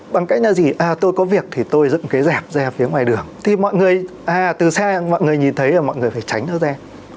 bằng cách là gì à tôi có việc thì tôi dựng cái dẹp ra phía ngoài đường thì mọi người à từ xa mọi người nhìn thấy là mọi người phải tránh nó ra